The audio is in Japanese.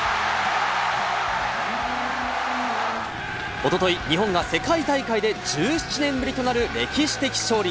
おととい、日本が世界大会で１７年ぶりとなる歴史的勝利。